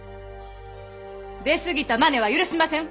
出過ぎたまねは許しません！